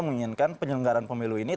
menginginkan penyelenggaran pemilu ini